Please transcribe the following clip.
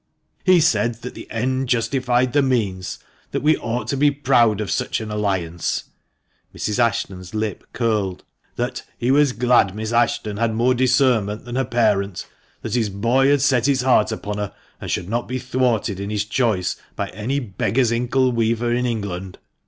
He said that ' the end justified the means," that we 'ought to be proud of such an alliance '"— Mrs. Ashton's lip curled —" that ' he was glad Miss Ashton had more discernment than her parent,' that 'his boy had set his heart upon her, and should not be thwarted in his choice by any beggar's inkle weaver in England.'